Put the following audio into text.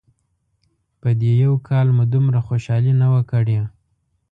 په دې یو کال مو دومره خوشحالي نه وه کړې.